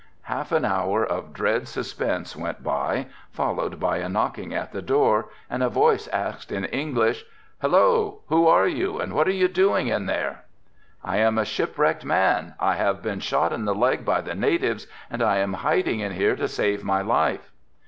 Half an hour of dread suspense went by, followed by a knocking at the door and a voice asked in English, "Hello! who are you and what are you doing in there?" "I am a shipwrecked man. I have been shot in the leg by the natives and I am hiding in here to save my life."